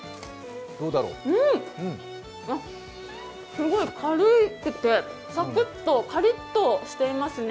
すごい軽くてサクッと、カリッとしていますね。